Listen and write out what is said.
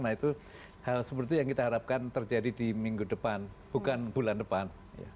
nah itu hal seperti yang kita harapkan terjadi di minggu depan bukan bulan depan